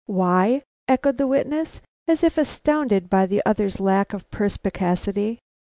"Why?" echoed the witness, as if astounded by the other's lack of perspicacity.